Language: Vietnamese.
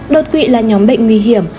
đột quỵ là nhóm bệnh nguy hiểm